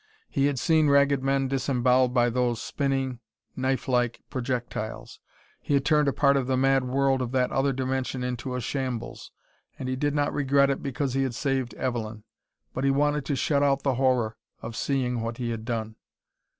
He had seen Ragged Men disemboweled by those spinning, knifelike projectiles. He had turned a part of the mad world of that other dimension into a shambles, and he did not regret it because he had saved Evelyn, but he wanted to shut out the horror of seeing what he had done.